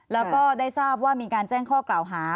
แล้วก็ได้ทราบว่ามีการแจ้งข้อกล่าวหา